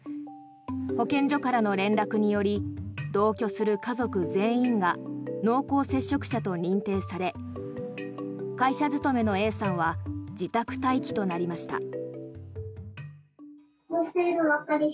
保健所からの連絡により同居する家族全員が濃厚接触者と認定され会社勤めのＡさんは自宅待機となりました。